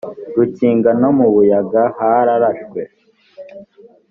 rukiga no mu buyaga hararashwe